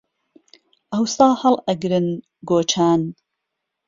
ئەوسا هەڵ ئەگرن گۆچان